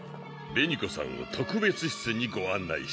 紅子さんを特別室にご案内してくれ。